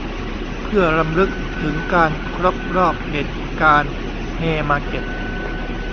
เพื่อรำลึกถึงการครบรอบเหตุการณ์เฮย์มาร์เก็ต